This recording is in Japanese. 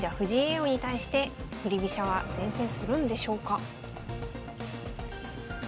王に対して振り飛車は善戦するんでしょうか？